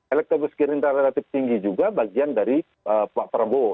elektabilitas gerindra relatif tinggi juga bagian dari pak prabowo